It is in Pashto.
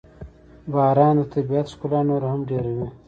• باران د طبیعت ښکلا نوره هم ډېروي.